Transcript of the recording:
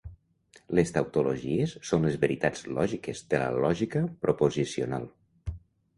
Les tautologies són les veritats lògiques de la lògica proposicional.